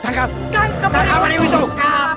jangan sampai lah